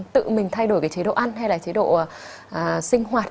tự mình thay đổi cái chế độ ăn hay là chế độ sinh hoạt